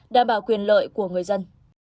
đảm bảo quyền lợi của người dân